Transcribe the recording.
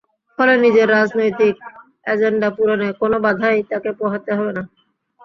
ফলে নিজের রাজনৈতিক অ্যাজেন্ডা পূরণে কোনো বাধাই তাঁকে পোহাতে হবে না।